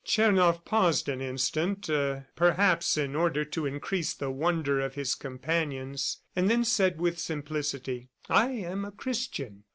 Tchernoff paused an instant perhaps in order to increase the wonder of his companions and then said with simplicity: "I am a Christian."